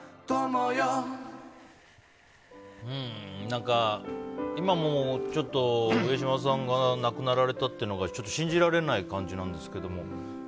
何か、今もちょっと上島さんが亡くなられたというのがちょっと信じられない感じなんですけども。